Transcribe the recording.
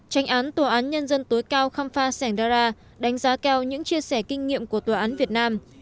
tranh án tòa án nhân dân tối cao kham pha sẻng đara đánh giá cao những chia sẻ kinh nghiệm của tòa án việt nam